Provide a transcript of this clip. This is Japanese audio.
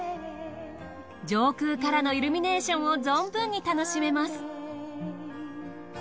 上空からのイルミネーションを存分に楽しめます。